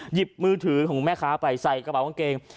หยิบมือถือของแม่ค้าไปใส่กระเป๋ากางเกง